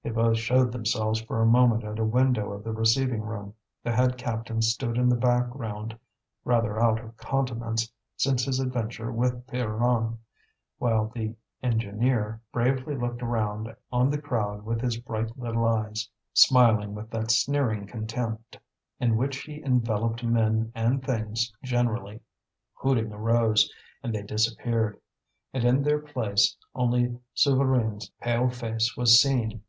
They both showed themselves for a moment at a window of the receiving room; the head captain stood in the background, rather out of countenance since his adventure with Pierronne, while the engineer bravely looked round on the crowd with his bright little eyes, smiling with that sneering contempt in which he enveloped men and things generally. Hooting arose, and they disappeared. And in their place only Souvarine's pale face was seen.